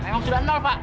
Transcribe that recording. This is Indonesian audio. memang sudah pak